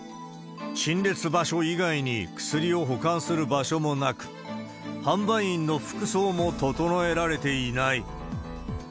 陳列場所以外に薬を保管する場所もなく、販売員の服装も整えられていない。